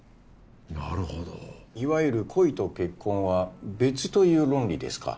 なるほどいわゆる恋と結婚は別という論理ですか？